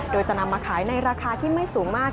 โดยจะนำมาขายในราคาที่ไม่สูงมาก